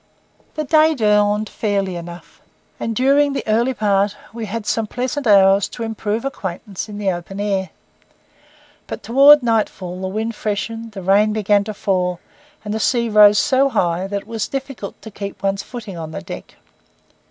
The day dawned fairly enough, and during the early part we had some pleasant hours to improve acquaintance in the open air; but towards nightfall the wind freshened, the rain began to fall, and the sea rose so high that it was difficult to keep ones footing on the deck.